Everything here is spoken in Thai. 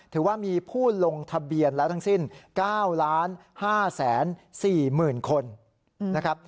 ถือว่ามีผู้ลงทะเบียนแล้วทั้งสิ้น๙๕๔๐๐๐คนนะครับ